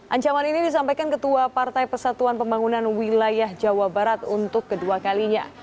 ancaman ini disampaikan ketua partai persatuan pembangunan wilayah jawa barat untuk kedua kalinya